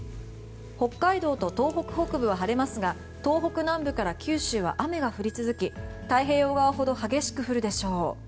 北海道と東北北部は晴れますが東北南部から九州は雨が降り続き太平洋側ほど激しく降るでしょう。